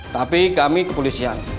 tapi kami kepolisian